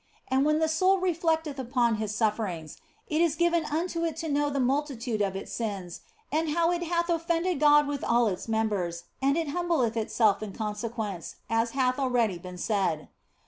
And when the soul reflecteth upon His suffer ings, it is given unto it to know the multitude of its sins and how it hath offended God with all its members, and it humbleth itself in consequence, as hath already been said.